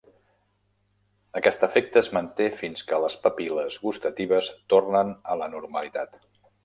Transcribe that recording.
Aquest efecte es manté fins que les papil·les gustatives tornen a la normalitat.